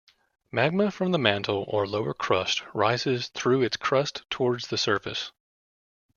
Magma from the mantle or lower crust rises through its crust towards the surface.